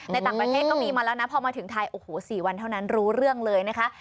ในต่างประเทศก็มีมาแล้วนะพอมาถึงไทยโอ้โห๔วันเท่านั้นรู้เรื่องเลยนะคะ